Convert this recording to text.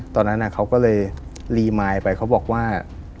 ตอนนั้นเขาก็เลยรีไมค์ไปเขาบอกว่า